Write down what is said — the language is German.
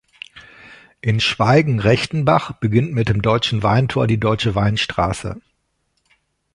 In Schweigen-Rechtenbach beginnt mit dem Deutschen Weintor die Deutsche Weinstraße.